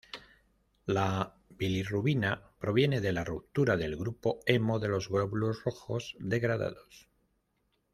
La bilirrubina proviene de la ruptura del grupo hemo de los glóbulos rojos degradados.